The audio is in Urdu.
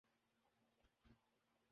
اتنی ہمت نہیں۔